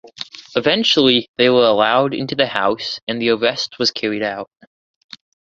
Eventually they were allowed into the house and the arrest was carried out.